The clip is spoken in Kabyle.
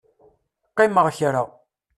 Qqimeɣ kra.